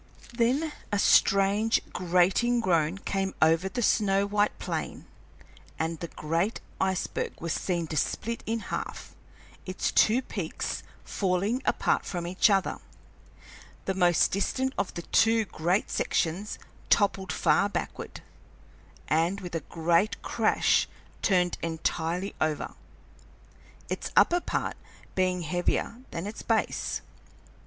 Then a strange grating groan came over the snow white plain, and the great iceberg was seen to split in half, its two peaks falling apart from each other. The most distant of the two great sections toppled far backward, and with a great crash turned entirely over, its upper part being heavier than its base.